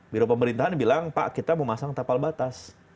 biro pemerintahan bilang pak kita mau pasang tapal batas